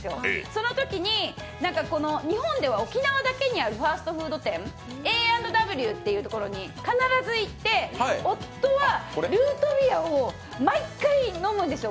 そのときに、日本では沖縄だけにあるファストフード店、Ａ＆Ｗというところに必ず行って、夫はルートビアを毎回飲むんですよ。